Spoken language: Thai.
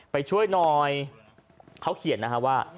ไปช่วยหน่อยเขาเขียนนะฮะว่า